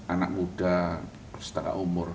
anak muda setengah umur